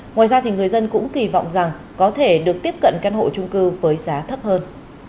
ngoài ra thì người dân cũng kỳ vọng rằng có thể được tiếp cận căn hộ trung cư với giá thấp hơn